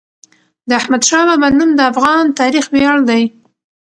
د احمدشاه بابا نوم د افغان تاریخ ویاړ دی.